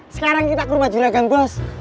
sekarang kita ke rumah julegan bos